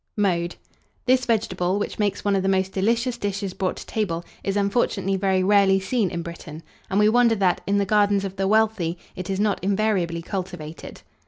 Mode. This vegetable, which makes one of the most delicious dishes brought to table, is unfortunately very rarely seen in Britain; and we wonder that, in the gardens of the wealthy, it is not invariably cultivated.